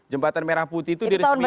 jembatan merah putih itu diresmikan